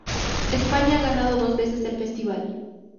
España ha ganado dos veces el Festival.